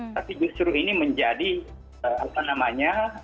tapi justru ini menjadi apa namanya